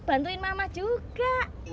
bantuin mama juga